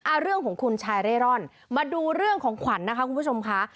เรื่องของคุณชายเร่ร่อนมาดูเรื่องของขวัญนะคะคุณผู้ชมค่ะ